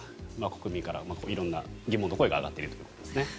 国民から色んな疑問の声が上がっているということですね。